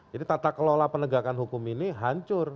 jadi tata kelola penegakan hukum ini hancur